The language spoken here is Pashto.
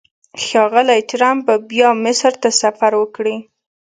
ښاغلی ټرمپ به بیا مصر ته سفر وکړي.